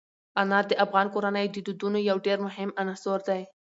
انار د افغان کورنیو د دودونو یو ډېر مهم عنصر دی.